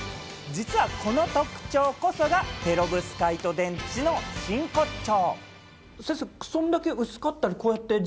実はこの特徴こそがペロブスカイト太陽電池の真骨頂。